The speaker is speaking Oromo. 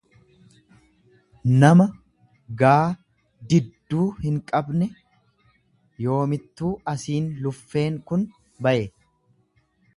nama gaa ddidduu hinqabne; yoomittuu asiin Luffeen kun, baye.